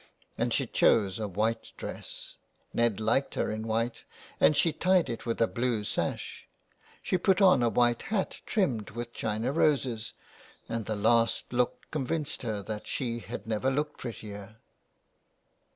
And she chose a white dress. Ned liked her in white, and she tied it with a blue sash ; she put on a white hat trimmed with china roses, and the last look convinced her that she had never looked prettier.